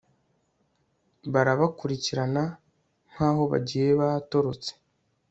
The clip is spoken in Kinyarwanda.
barabakurikirana nk'aho bagiye batorotse